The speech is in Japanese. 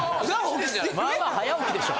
まあまあ早起きでしょ。